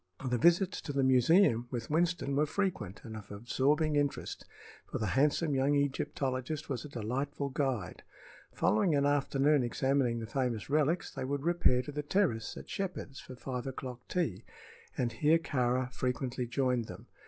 The visits to the museum with Winston were frequent and of absorbing interest, for the handsome young Egyptologist was a delightful guide. Following an afternoon examining the famous relics, they would repair to the terrace at Shepheard's for five o'clock tea, and here Kāra frequently joined them.